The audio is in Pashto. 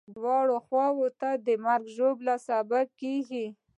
دواړو خواوو ته د مرګ ژوبلې سبب کېږي.